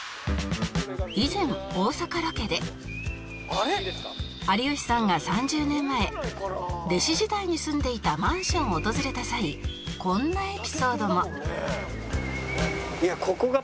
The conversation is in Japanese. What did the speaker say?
以前大阪ロケで有吉さんが３０年前弟子時代に住んでいたマンションを訪れた際こんなエピソードも